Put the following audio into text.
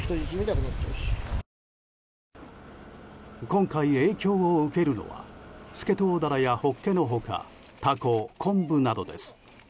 今回、影響を受けるのはスケトウダラやホッケの他タコ、昆布などです。